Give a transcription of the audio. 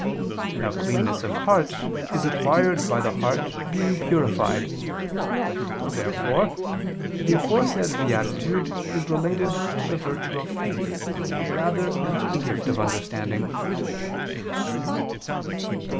Now cleanness of heart is acquired by the heart being purified. Therefore the aforesaid beatitude is related to the virtue of faith rather than to the gift of understanding.